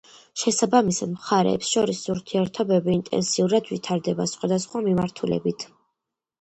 შესაბამისად, მხარეებს შორის ურთიერთობები ინტენსიურად ვითარდება სხვადასხვა მიმართულებით.